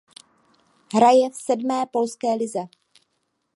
Hraje v sedmé polské lize.